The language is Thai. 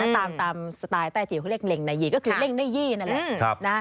ตามสไตล์ใต้จีเขาเรียกเล็งนายีก็คือเล่งนายยี่นั่นแหละ